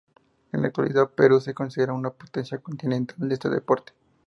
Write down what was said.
En la actualidad, Perú es considerada una potencia continental de este deporte.